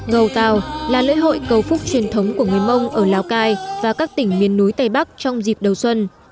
gầu tàu là lễ hội cầu phúc truyền thống của người mông ở lào cai và các tỉnh miền núi tây bắc trong dịp đầu xuân